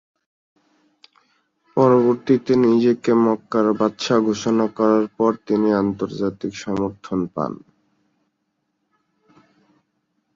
পরবর্তীতে নিজেকে মক্কার বাদশাহ ঘোষণা করার পর তিনি আন্তর্জাতিক সমর্থন পান।